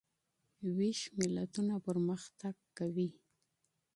ویښ ملتونه پرمختګ کوي.